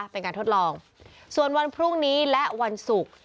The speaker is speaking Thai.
เป็นการทดลองส่วนวันพรุ่งนี้และวันศุกร์